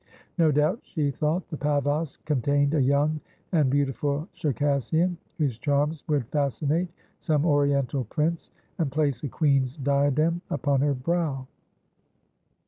No doubt, she thought, the pavosk contained a young and beautiful Circassian, whose charms would fascinate some Oriental prince, and place a queen's diadem upon her brow.